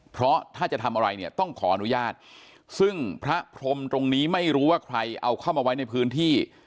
เพราะถ้าจะทำอะไรเนี่ยต้องขออนุญาตซึ่งพระพรมตรงนี้ไม่รู้ว่าใครเอาเข้ามาไว้ในพื้นที่